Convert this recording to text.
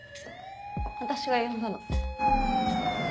私が呼んだの。